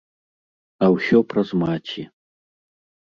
А ўсё праз маці.